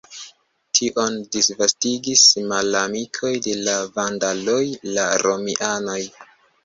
Tion disvastigis malamikoj de la vandaloj, la romianoj.